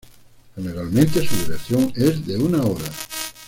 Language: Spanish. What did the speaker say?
Generalmente su duración es de una hora.